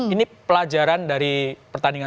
ini pelajaran dari pertandingan satu dua tiga